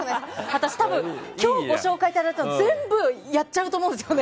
私、多分今日ご紹介いただいたの全部やっちゃうと思うんですよね。